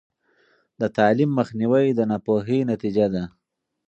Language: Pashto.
د تعلیم مخنیوی د ناپوهۍ نتیجه ده.